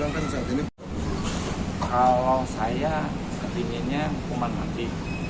kalau saya artinya hukuman hati